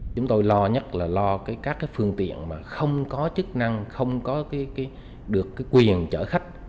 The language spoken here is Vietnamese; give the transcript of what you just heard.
chúng tôi lo nhất là lo các phương tiện mà không có chức năng không có được quyền chở khách